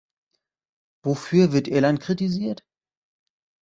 Wofür wird Irland kritisiert?